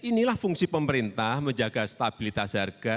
inilah fungsi pemerintah menjaga stabilitas harga